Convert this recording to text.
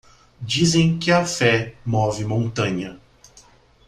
Dizem que a fé move montanha